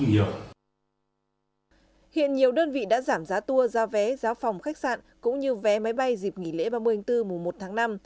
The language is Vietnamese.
hiện nhiều đơn vị đã giảm giá tour giao vé giá phòng khách sạn cũng như vé máy bay dịp nghỉ lễ ba mươi bốn mùa một tháng năm